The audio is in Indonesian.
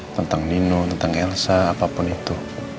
tentang nino tentang elsa apapun itu